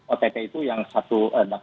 ott itu yang satu